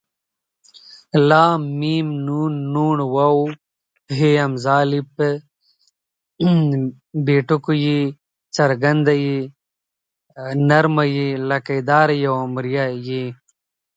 ل م ن ڼ و ه ء ی ي ې ۍ ئ